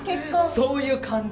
そういう感じ。